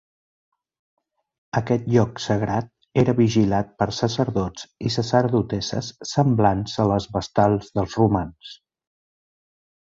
Aquest lloc sagrat era vigilat per sacerdots i sacerdotesses semblants a les vestals dels romans.